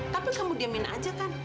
tapi kamu diemin aja kan